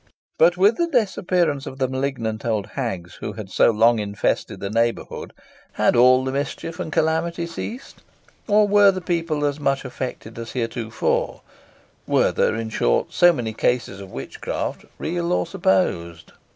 "But with the disappearance of the malignant old hags who had so long infested the neighbourhood, had all mischief and calamity ceased, or were people as much afflicted as heretofore? Were there, in short, so many cases of witchcraft, real or supposed?"